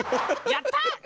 やったー！